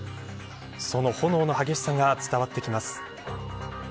その炎の激しさが伝わってきます。